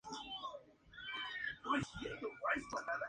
Por esto, este tipo de motor es llamado de "propulsión a reacción".